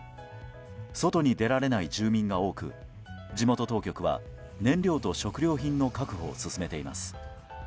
外に出られない住民が多く地元当局は燃料と食料品の確保を進めています。